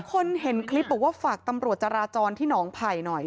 คนเห็นคลิปบอกว่าฝากตำรวจจราจรที่หนองไผ่หน่อย